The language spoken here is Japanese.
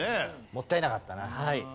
もったいなかったな。